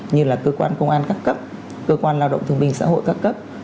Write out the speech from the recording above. như là cơ quan công an các cấp cơ quan lao động thường bình xã hội các cấp